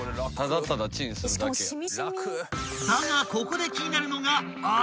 ［だがここで気になるのが味］